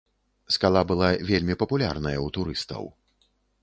Скала была вельмі папулярная ў турыстаў.